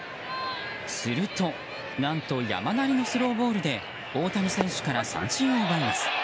すると、何と山なりのスローボールで大谷選手から三振を奪います。